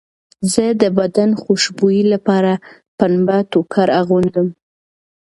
زه د بدن خوشبویۍ لپاره پنبه ټوکر اغوندم.